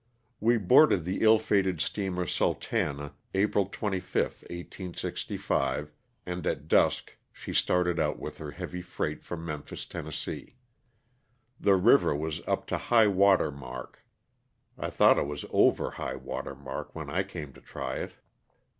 We boarded the ill fated steamer '' Sultana" April 25, 1865, and at dusk she started out with her heavy freight for Memphis, Tenn. The river was up to high water mark (I thought it was over high water mark when I came to try it).